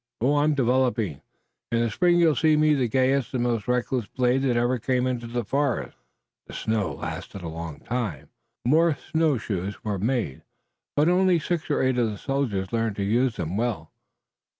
Oh, I'm developing! In the spring you'll see me the gayest and most reckless blade that ever came into the forest." The deep snow lasted a long time. More snowshoes were made, but only six or eight of the soldiers learned to use them well.